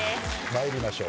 参りましょう。